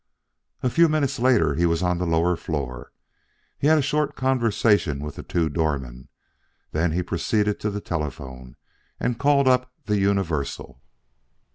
A few minutes later he was on the lower floor. He had a short conversation with the two doormen; then he proceeded to the telephone and called up the Universal.